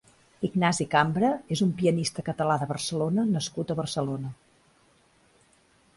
Ignasi Cambra és un pianista Català de Barcelona nascut a Barcelona.